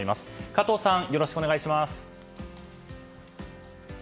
加藤さん、よろしくお願いします。